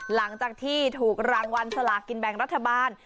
หลังจากที่ถูกรางวัลสลากินแบ่งรัฐบาล